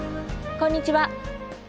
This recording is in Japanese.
こんにちは。